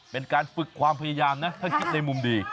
เป็นการฝึกความพยายามนะถ้าคิดในมุมดี